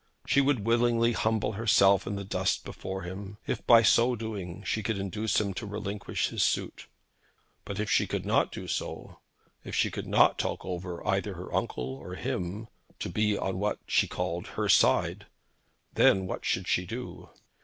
She would willingly humble herself in the dust before him, if by so doing she could induce him to relinquish his suit. But if she could not do so; if she could not talk over either her uncle or him to be on what she called her side, then what should she do?